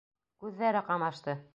Күҙҙәре ҡамашты.